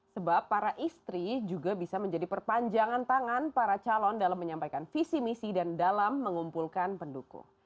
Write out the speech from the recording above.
sebab para istri juga bisa menjadi perpanjangan tangan para calon dalam menyampaikan visi misi dan dalam mengumpulkan pendukung